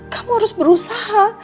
kamu harus berusaha